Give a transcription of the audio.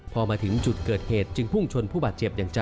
พอมาถึงจุดเกิดเหตุจึงพุ่งชนผู้บาดเจ็บอย่างจัง